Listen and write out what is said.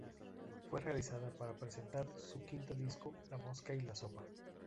Fue realizada para presentar su quinto disco La mosca y la sopa.